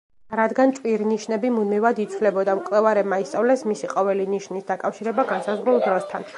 რადგან ჭვირნიშნები მუდმივად იცვლებოდა, მკვლევარებმა ისწავლეს მისი ყოველი ნიშნის დაკავშირება განსაზღვრულ დროსთან.